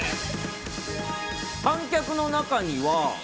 観客の中には。